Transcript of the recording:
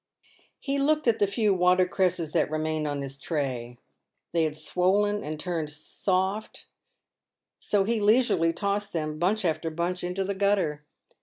He looked at the few water cresses that remained on his tray. They had swollen and turned soft, so he leisurely tossed them bunch after bunch into the gutter.